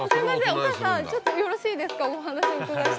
お母さんちょっとよろしいですかお話お伺いして。